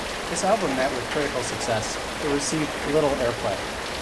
This album met with critical success but received little airplay.